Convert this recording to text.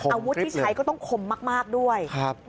อาวุธที่ใช้ก็ต้องคมมากด้วย